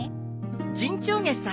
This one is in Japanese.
ジンチョウゲさ。